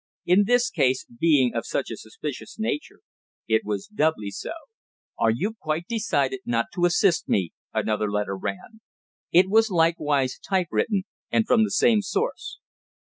In this case, being of such a suspicious nature, it was doubly so. "Are you quite decided not to assist me?" another letter ran. It was likewise type written, and from the same source.